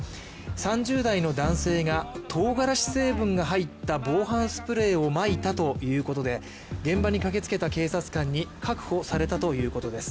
３０代の男性がとうがらし成分が入った防犯スプレーをまいたということで現場に駆けつけた警察官に確保されたということです。